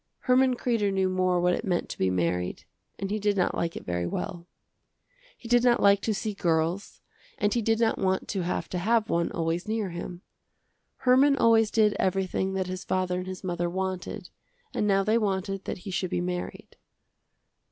Herman Kreder knew more what it meant to be married and he did not like it very well. He did not like to see girls and he did not want to have to have one always near him. Herman always did everything that his father and his mother wanted and now they wanted that he should be married.